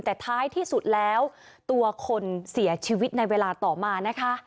แต่ท้ายที่สุดแล้วตัวคนเสียชีวิตในเวลาต่อมานะคะ